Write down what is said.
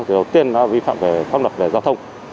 thì đầu tiên là vi phạm về pháp luật về giao thông